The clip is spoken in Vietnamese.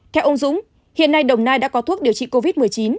theo ông dũng hiện nay đồng nai đã có thuốc điều trị covid một mươi chín